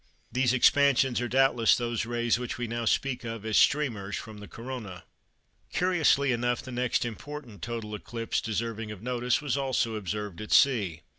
These expansions are doubtless those rays which we now speak of as "streamers" from the Corona. Curiously enough the next important total eclipse deserving of notice was also observed at sea.